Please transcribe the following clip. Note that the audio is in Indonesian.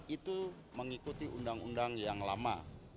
itu mengikuti undang undang yang lama